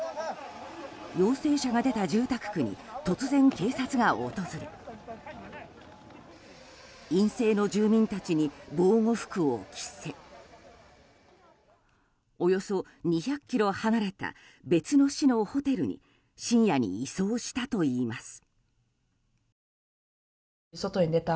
陽性者が出た住宅区に突然、警察が訪れ陰性の住民たちに防護服を着せおよそ２００ｋｍ離れた別の市のホテルに深夜に移送したといいます。